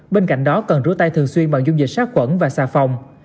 bên cạnh đó cần rửa tay thường xuyên bằng dung dịch sát khuẩn và xà phòng